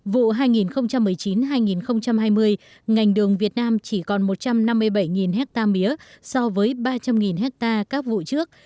vụ hai nghìn một mươi chín hai nghìn hai mươi ngành đường việt nam chỉ còn một trăm năm mươi bảy ha mía so với ba trăm linh hectare các vụ trước